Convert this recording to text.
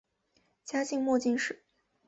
嘉靖末进士。